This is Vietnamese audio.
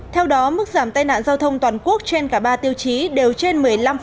theo đó mức giảm tai nạn giao thông toàn quốc trên cả ba tiêu chí đều trên một mươi năm